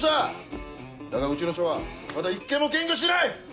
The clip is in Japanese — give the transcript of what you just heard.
だがうちの署はまだ１件も検挙してない！